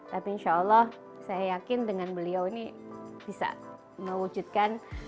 tapi insya allah saya yakin dengan beliau ini bisa mewujudkan